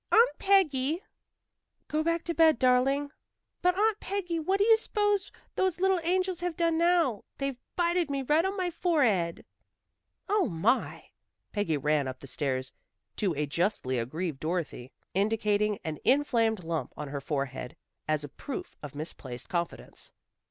"Aunt Peggy!" "Go back to bed, darling." "But, Aunt Peggy, what d'you s'pose those little angels have done now? They've bited me right on my fourhead." "Oh, my!" Peggy ran up the stairs, to a justly aggrieved Dorothy, indicating an inflamed lump on her forehead, as a proof of misplaced confidence.